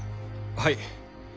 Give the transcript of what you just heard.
はい。